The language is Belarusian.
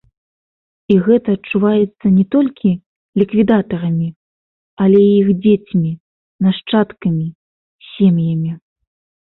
І гэта адчуваецца не толькі ліквідатарамі, але і іх дзецьмі, нашчадкамі, сем'ямі.